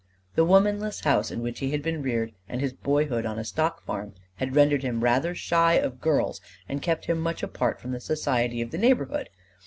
The womanless house in which he had been reared and his boyhood on a stock farm had rendered him rather shy of girls and kept him much apart from the society of the neighborhood.